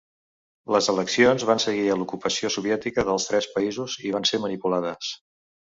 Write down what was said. Les eleccions van seguir a l'ocupació soviètica dels tres països, i van ser manipulades.